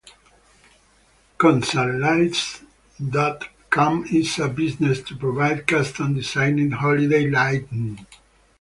ConsarLights dot com is a business to provide custom designed holiday lighting.